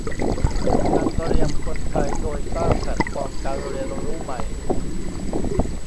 การเตรียมคนไทยโดยสร้างแพลตฟอร์มการเรียนรู้ใหม่